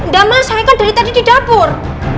dama saya kan dari tadi di dapur